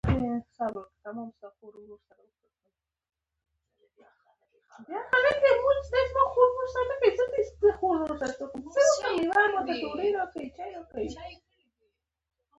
د وینز جمهوریت اقتصادي وده پر بنسټونو ولاړه وه.